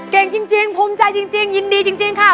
เก่งจริงภูมิใจจริงยินดีจริงค่ะ